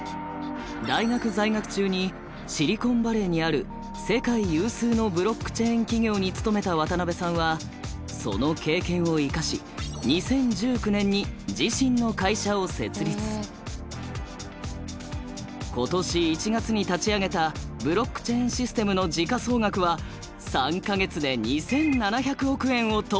大学在学中にシリコンバレーにある世界有数のブロックチェーン企業に勤めた渡辺さんはその経験を生かし今年１月に立ち上げたブロックチェーンシステムの時価総額は３か月で２，７００億円を突破！